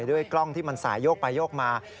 ด้วยกล้องที่มันสายโยกไปโยกมา